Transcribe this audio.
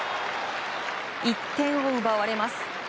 １点を奪われます。